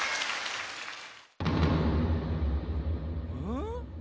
ん？